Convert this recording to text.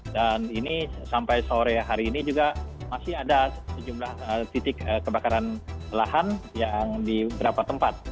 dan ini sampai sore hari ini juga masih ada sejumlah titik kebakaran lahan yang di beberapa tempat